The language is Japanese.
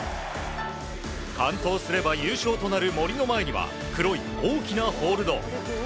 完登すれば優勝となる森秋彩の前には黒い大きなホールド。